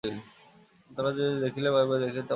চোর যে আমাদের দেখিতে পাইবে ও দেখিতে পাইলেই পালাইবে।